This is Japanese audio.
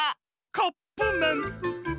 カップめん！